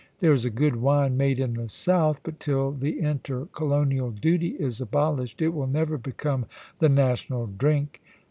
There is a good wine made in the south ; but till the inter colonial duty is abolished it will never become the national drink.